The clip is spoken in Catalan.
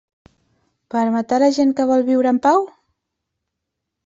Per a matar la gent que vol viure en pau?